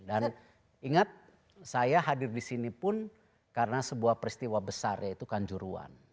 dan ingat saya hadir disini pun karena sebuah peristiwa besar yaitu kanjuruan